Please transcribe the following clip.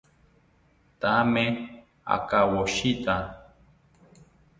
Thame akawoshita